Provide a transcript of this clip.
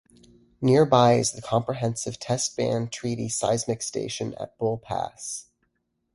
Nearby is the Comprehensive Test Ban Treaty Seismic station at Bull Pass.